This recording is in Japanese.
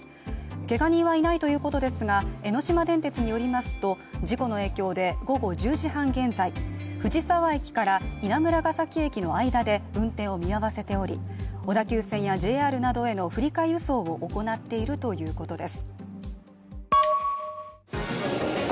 けが人はいないということですが江ノ島電鉄によりますと事故の影響で午後１０時半現在藤沢駅から稲村ヶ崎駅の間で運転を見合わせており、小田急線やＪＲなどへの振り替え輸送を行っているということです。